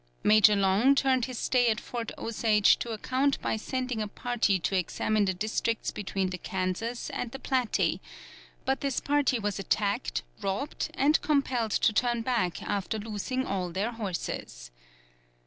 Major Long turned his stay at Fort Osage to account by sending a party to examine the districts between the Kansas and the Platte, but this party was attacked, robbed, and compelled to turn back after losing all their horses.